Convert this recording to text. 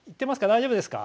大丈夫ですか？